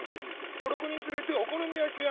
５６人連れてお好み焼き屋